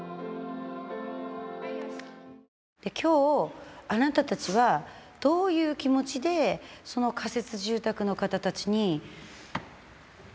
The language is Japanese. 今日あなたたちはどういう気持ちでその仮設住宅の方たちに歌ったらいいのかなあ。